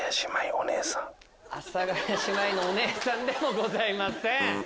阿佐ヶ谷姉妹のお姉さんでもございません。